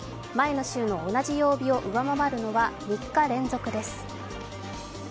前の週の同じ曜日を上回るのは３日連続です。